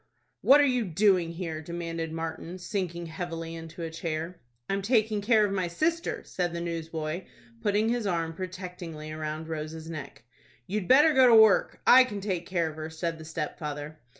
"What are you doing here?" demanded Martin, sinking heavily into a chair. "I'm taking care of my sister," said the newsboy, putting his arm protectingly round Rose's neck. "You'd better go to work. I can take care of her," said the stepfather.